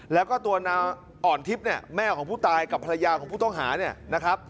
แล้วก็ตัวนางอ่อนทิพย์แม่ของผู้ตายกับภรรยาของผู้ต้องหา